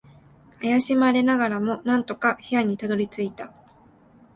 怪しまれながらも、なんとか部屋にたどり着いた。